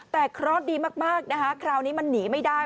แต่คลอสดีมากคราวนี้มันหนีไม่ได้